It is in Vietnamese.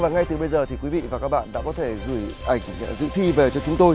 ngay từ bây giờ thì quý vị và các bạn đã có thể gửi ảnh dự thi về cho chúng tôi